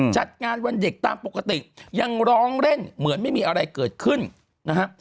จัดงานวันเด็กตามปกติยังร้องเล่นเหมือนไม่มีอะไรเกิดขึ้นนะฮะ